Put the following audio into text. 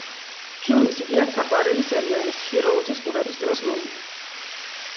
ფილმის იდეა საყვარელი სერიალის – „ჰიროუზის“ ყურების დროს მოუვიდა.